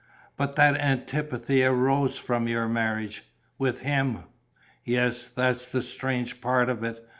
"But that antipathy arose from your marriage ... with him!" "Yes, that's the strange part of it.